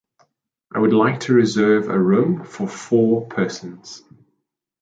I would like to reserve a room for four persons.